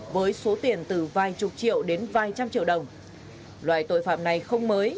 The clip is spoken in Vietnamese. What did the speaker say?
với số tiền từ vài chục triệu đến vài trăm triệu đồng loại tội phạm này không mới